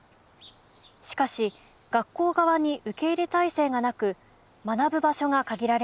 しかし学校側に受け入れ体制がなく学ぶ場所が限られます。